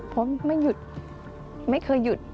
เพราะไม่หยุดไม่เคยหยุด